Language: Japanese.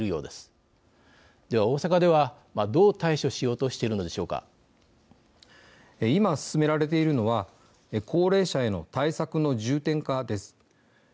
では、大阪ではどう対処しようと今、進められているのは高齢者への対策の重点化です。